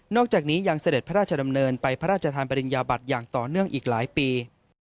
อกจากนี้ยังเสด็จพระราชดำเนินไปพระราชทานปริญญาบัติอย่างต่อเนื่องอีกหลายปี